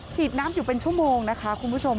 ฉีดน้ำอยู่เป็นชั่วโมงนะคะคุณผู้ชม